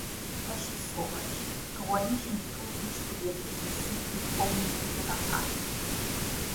As pessoas, a origem de todos os poderes no município como em toda parte.